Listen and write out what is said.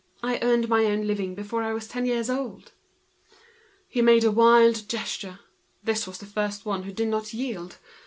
I earned my own living before I was ten years old." He was almost mad. This was the first one who did not yield.